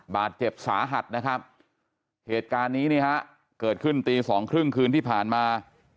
บาดเจ็บสาหัสนะครับเหตุการณ์นี้นี่ฮะเกิดขึ้นตีสองครึ่งคืนที่ผ่านมา